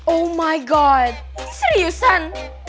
oh my god ini seriusan